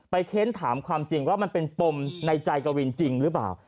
เค้นถามความจริงว่ามันเป็นปมในใจกวินจริงหรือเปล่า